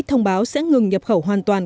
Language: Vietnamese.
thông báo sẽ ngừng nhập khẩu hoàn toàn